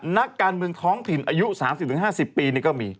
นักการเมืองท้องถิ่นอายุ๓๐๕๐ปีนี่ก็มี